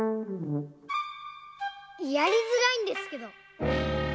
やりづらいんですけど。